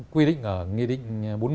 quy định ở nghị định bốn mươi